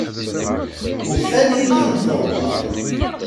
Ufan yiwet n teɣmert.